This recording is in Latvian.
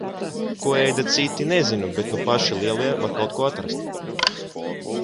Ko ēda citi -–nezinu, bet nu paši lielie, var kaut ko atrast.